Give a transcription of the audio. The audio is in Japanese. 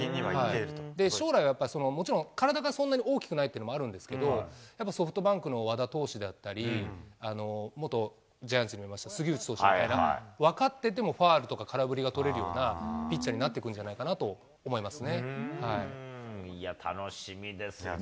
将来はやっぱもちろん、体がそんなに大きくないっていうのもあるんですけど、ソフトバンクの和田投手であったり、元ジャイアンツにもいました杉内投手みたいな、分かっててもファウルとか空振りが取れるようなピッチャーになっいや、楽しみですね。